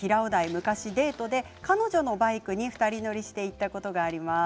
昔デートで彼女のバイクに２人乗りして行ったことがあります。